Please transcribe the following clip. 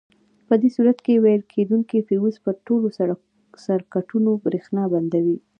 په دې صورت کې ویلې کېدونکي فیوز پر ټولو سرکټونو برېښنا بندوي.